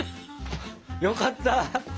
よかった。